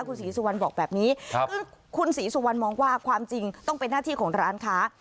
คุณศรีสุวรรณบอกแบบนี้ซึ่งคุณศรีสุวรรณมองว่าความจริงต้องเป็นหน้าที่ของร้านค้า